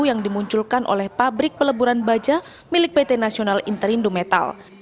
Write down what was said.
yang dimunculkan oleh pabrik peleburan baja milik pt nasional interindo metal